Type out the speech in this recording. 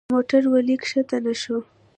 له موټره ولي کښته نه شو؟